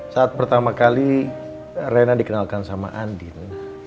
saat pertama kali rena dikenalkan sama andin